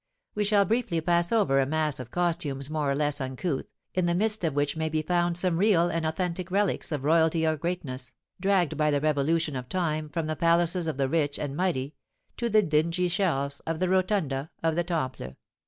We shall briefly pass over a mass of costumes more or less uncouth, in the midst of which may be found some real and authentic relics of royalty or greatness, dragged by the revolution of time from the palaces of the rich and mighty to the dingy shelves of the Rotunda of the Temple.